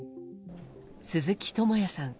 鈴木智也さん